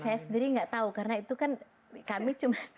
saya sendiri nggak tahu karena itu kan kami cuma